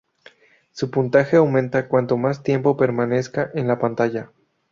Su puntaje aumenta cuanto más tiempo permanezca en la pantalla.